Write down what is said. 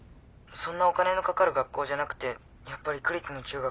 そんなお金のかかる学校じゃなくてやっぱり区立の中学。